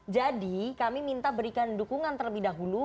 jadi kami minta berikan dukungan terlebih dahulu